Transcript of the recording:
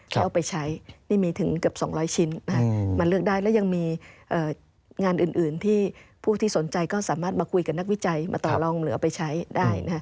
แล้วเอาไปใช้นี่มีถึงเกือบ๒๐๐ชิ้นมาเลือกได้และยังมีงานอื่นที่ผู้ที่สนใจก็สามารถมาคุยกับนักวิจัยมาต่อลองเหลือไปใช้ได้